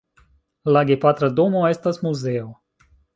La gepatra domo estas muzeo.